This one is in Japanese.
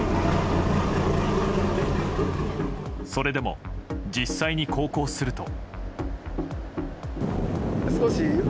それでも、実際に航行すると。